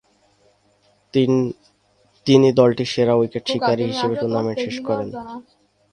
তিনি দলটির সেরা উইকেট শিকারী হিসাবে টুর্নামেন্ট শেষ করেন।